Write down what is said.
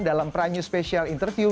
dalam pranyu special interview